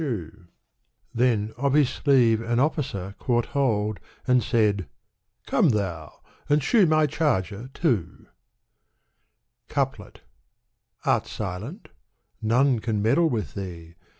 Digitized by Google i m Then of his sleeve an officer caught hold, And said, " Come thou ! and shoe my charger too !" CoupUt Art silent? none can meddle with thee.